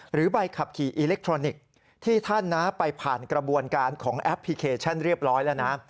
ใบขับขี่อิเล็กทรอนิกส์ที่ท่านไปผ่านกระบวนการของแอปพลิเคชันเรียบร้อยแล้วนะ